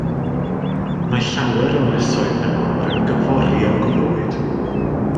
Mae llawer o ynysoedd yn y môr yn gyforiog o fywyd.